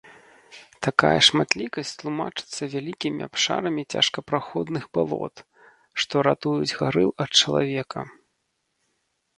Такая шматлікасць тлумачыцца вялікімі абшарамі цяжкапраходных балот, што ратуюць гарыл ад чалавека.